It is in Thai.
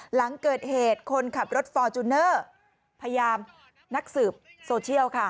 หลังเกิดเหตุคนขับรถฟอร์จูเนอร์พยายามนักสืบโซเชียลค่ะ